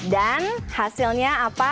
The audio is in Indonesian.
dan hasilnya apa